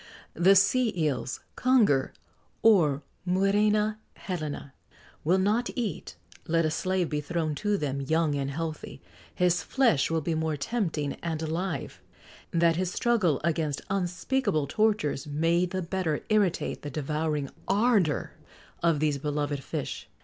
The sea eels (conger, or muræna helena) will not eat; let a slave be thrown to them, young and healthy, his flesh will be more tempting and alive, that his struggle against unspeakable tortures may the better irritate the devouring ardour of these beloved fish.